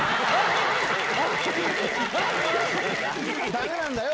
ダメなんだよ